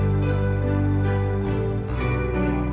pulang aja yuk eng